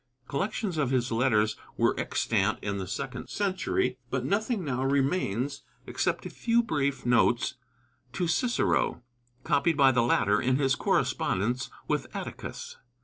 Collections of his letters were extant in the second century, but nothing now remains except a few brief notes to Cicero, copied by the latter in his correspondence with Atticus.